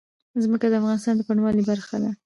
ځمکه د افغانستان د بڼوالۍ برخه ده.